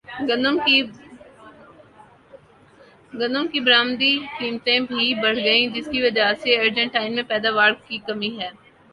گندم کی برمدی قیمتیں بھی بڑھ گئیں جس کی وجہ سے ارجنٹائن میں پیداواری کمی ہے